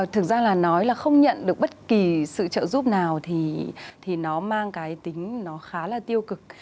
thực ra là nói là không nhận được bất kỳ sự trợ giúp nào thì nó mang cái tính nó khá là tiêu cực